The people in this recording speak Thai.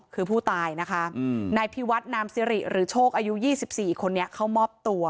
คือผู้ตายนะคะนายพิวัฒนามสิริหรือโชคอายุ๒๔คนนี้เข้ามอบตัว